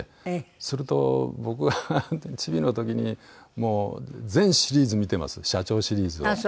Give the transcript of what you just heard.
すると僕がチビの時にもう全シリーズ見てます『社長』シリーズは。